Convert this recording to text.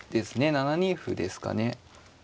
７二歩ですかね。